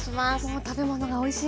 もう食べ物がおいしい